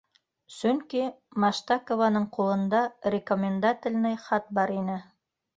Сөнки Маштакованың ҡулында рекомендательныи хат бар ине.